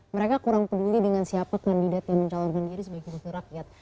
mereka kurang peduli dengan siapa kandidat yang mencalonkan diri sebagai wakil rakyat